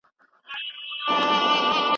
د مقالي لومړۍ بڼه چا وکتله؟